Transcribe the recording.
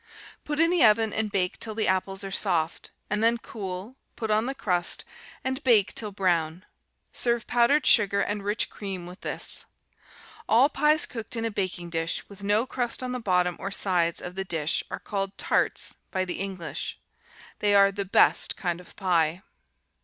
Put in the oven and bake till the apples are soft, and then cool, put on the crust, and bake till brown. Serve powdered sugar and rich cream with this. All pies cooked in a baking dish, with no crust on the bottom or sides of the dish, are called tarts by the English. They are the best kind of pie.